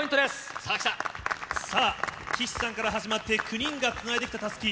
さあ来た、岸さんから始まって９人がつないできたたすき。